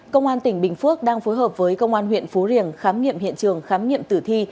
công an tỉnh bình phước đang phối hợp với công an huyện phú riềng khám nghiệm hiện trường khám nghiệm tử thi